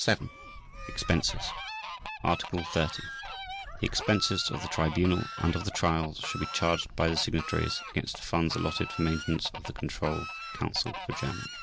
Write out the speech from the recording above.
VII. EXPENSES Article 30. The expenses of the Tribunal and of the trials, shall be charged by the Signatories against the funds allotted for maintenance of the Control Council for Germany.